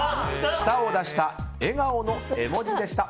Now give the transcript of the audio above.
舌を出した笑顔の絵文字でした。